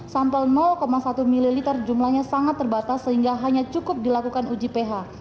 sampel satu ml jumlahnya sangat terbatas sehingga hanya cukup dilakukan uji ph